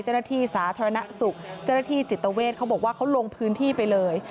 เจ้าหน้าที่สาธารณสุขเจ้าหน้าที่จิตเวทเขาบอกว่าเขาลงพื้นที่ไปเลย